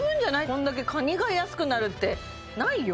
こんだけカニが安くなるってないよ？